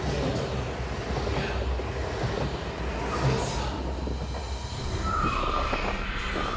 いやこいつは！